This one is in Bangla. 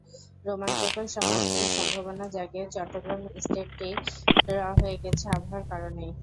রোমাঞ্চকর সমাপ্তির সম্ভাবনা জাগিয়ে চট্টগ্রাম টেস্টটি ড্র হয়ে গেছে আবহাওয়ার কারণেই।